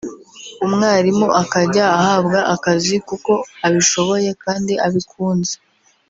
umwarimu akajya ahabwa akazi kuko abishoboye kandi abikunze”